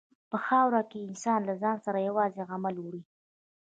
په خاوره کې انسان له ځان سره یوازې عمل وړي.